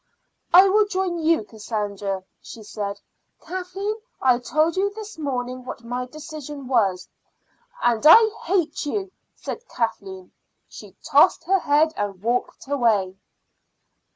"I will join you, Cassandra," she said. "Kathleen, I told you this morning what my decision was." "And I hate you!" said Kathleen. She tossed her head and walked away.